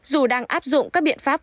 dù đang áp dụng các biện pháp